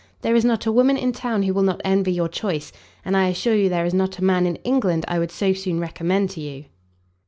There is not a woman in town who will not envy your choice, and I assure you there is not a man in England I would so soon recommend to you."